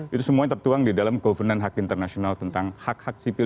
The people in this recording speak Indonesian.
itu semuanya tertuang di dalam kovenant hak internasional tentang hak hak sipil